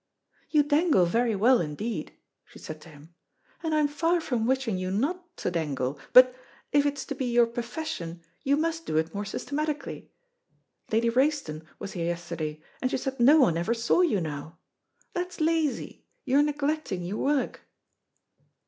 "You dangle very well indeed," she said to him, "and I'm far from wishing you not to dangle, but, if it's to be your profession, you must do it more systematically. Lady Wrayston was here yesterday, and she said no one ever saw you now. That's lazy; you're neglecting your work."